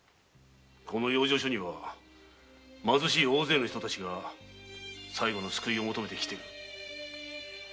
この養生所には貧しい大勢の人たちが最後の救いを求めてきている。